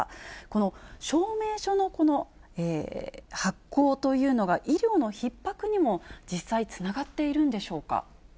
この証明書の発行というのが医療のひっ迫にも実際つながっているんでしょうか。